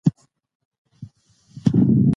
د اجناسو تولید به نور هم لوړ سي.